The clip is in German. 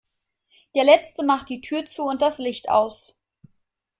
Der Letzte macht die Tür zu und das Licht aus.